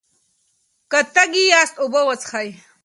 که تږي یاست، اوبه وڅښئ.